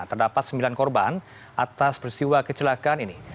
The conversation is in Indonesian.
terdapat sembilan korban atas peristiwa kecelakaan ini